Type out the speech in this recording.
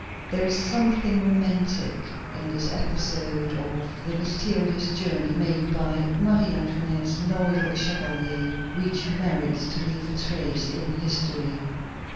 There is something romantic in this episode of the mysterious journey made by Marie Antoinette's loyal chevalier, which merits to leave a trace in history.